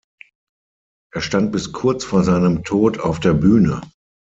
Er stand bis kurz vor seinem Tod auf der Bühne.